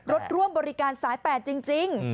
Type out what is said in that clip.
รถร่วมบริการสายแปดจริง